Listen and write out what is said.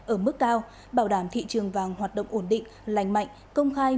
ở mức cao bảo đảm thị trường vàng hoạt động ổn định lành mạnh công khai